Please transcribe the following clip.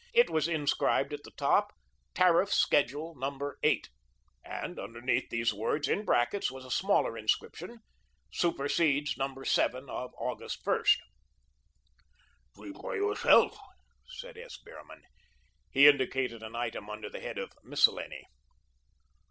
It was inscribed at the top "Tariff Schedule No. 8," and underneath these words, in brackets, was a smaller inscription, "SUPERSEDES NO. 7 OF AUG. 1" "See for yourself," said S. Behrman. He indicated an item under the head of "Miscellany."